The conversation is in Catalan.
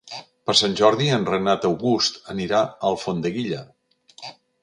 Per Sant Jordi en Renat August anirà a Alfondeguilla.